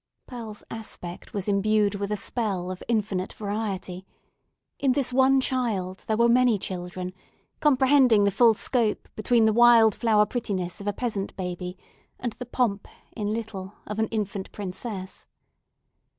Pearl's aspect was imbued with a spell of infinite variety; in this one child there were many children, comprehending the full scope between the wild flower prettiness of a peasant baby, and the pomp, in little, of an infant princess.